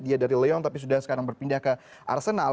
dia dari leong tapi sudah sekarang berpindah ke arsenal